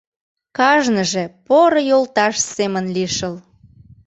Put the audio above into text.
Кажныже поро йолташ семын лишыл.